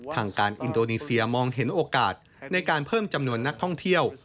ทางการอินโดนีเซียมองเห็นโอกาสในการเพิ่มจำนวนนักท่องเที่ยว